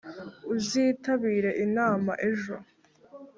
uzitabire inama ejo